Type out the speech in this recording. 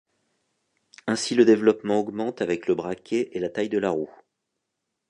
Ainsi le développement augmente avec le braquet et la taille de la roue.